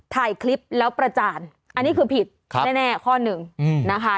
ถ่ายคลิปแล้วประจานอันนี้คือผิดแน่ข้อหนึ่งนะคะ